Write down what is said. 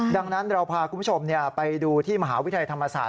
ดังนั้นเราพาคุณผู้ชมไปดูที่มหาวิทยาลัยธรรมศาสต